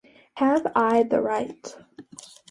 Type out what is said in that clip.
Have I the Right?